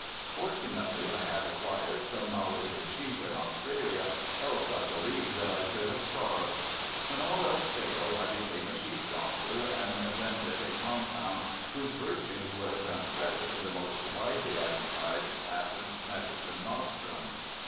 Fortunately I had acquired some knowledge of sheep in Australia else I believe that I should have starved. When all else failed I became a sheep doctor and vended a compound whose virtues would have done credit to the most widely advertised patent medicine nostrum.